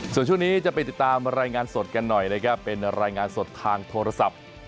ส่วนช่วงนี้จะไปติดตามรายงานสดกันหน่อยนะครับเป็นรายงานสดทางโทรศัพท์